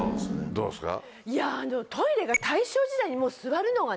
どうですか？